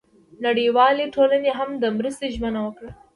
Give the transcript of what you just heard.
نړیوالې ټولنې هم د مرستې ژمنه وکړه.